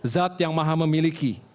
zat yang maha memilih